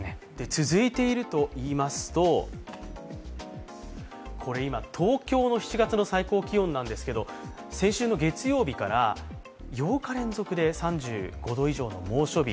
続いているといいますと、今、東京の７月の最高気温なんですけど先週の月曜日から８日連続で３５度以上の猛暑日。